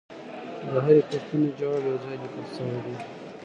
د هرې پوښتنې ځواب یو ځای لیکل شوی دی